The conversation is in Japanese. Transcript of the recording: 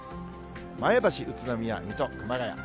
前橋、宇都宮、水戸、熊谷。